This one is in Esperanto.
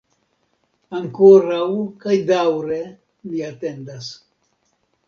Ankoraŭ kaj daŭre ni atendas.